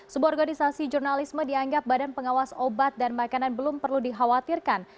sebuah organisasi jurnalisme dianggap badan pengawas obat dan makanan belum perlu dikhawatirkan